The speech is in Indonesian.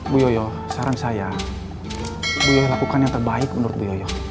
bu yoyo saran saya bu yoyo lakukan yang terbaik menurut bu yoyo